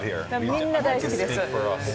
みんな大好きです。